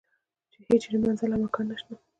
چې یې هیچرې منزل او مکان نشته.